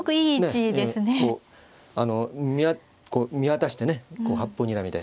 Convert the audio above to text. こう見渡してね八方にらみで。